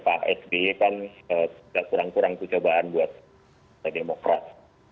pak sby kan sudah kurang kurang kecobaan buat pak demokrat